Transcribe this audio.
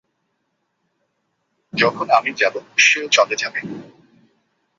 যখন আমি যাবো, সেও চলে যাবে।